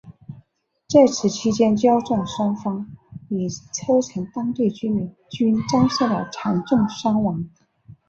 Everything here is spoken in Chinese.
在此期间交战双方与车臣当地居民均遭受了惨重伤亡。